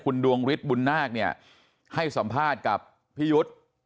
คุณดวงฤทธิบุญนาคเนี่ยให้สัมภาษณ์กับพี่ยุทธ์